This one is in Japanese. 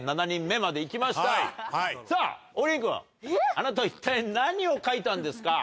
あなたは一体何を描いたんですか？